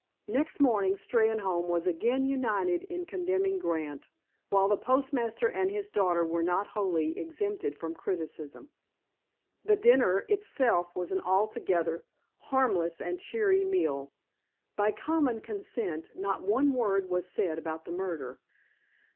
Next morning Steynholme was again united in condemning Grant, while the postmaster and his daughter were not wholly exempted from criticism. The dinner itself was an altogether harmless and cheery meal. By common consent not one word was said about the murder.